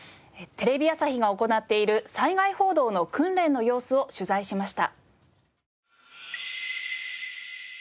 テレビ朝日が行っている災害報道の訓練の様子を取材しました。